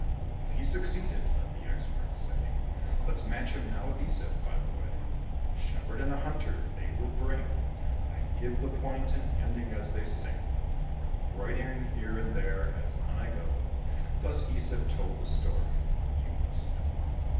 If he succeeded, let the experts say; Let's match him now with Æsop, by the way. A Shepherd and a Hunter they will bring: I give the point and ending as they sing, Embroidering here and there, as on I go; Thus Æsop told the story, you must know.